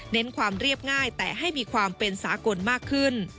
ความเรียบง่ายแต่ให้มีความเป็นสากลมากขึ้น